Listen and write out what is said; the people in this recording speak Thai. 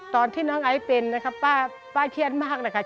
ตอนที่น้องไอซ์เป็นนะครับป้าเครียดมากนะคะ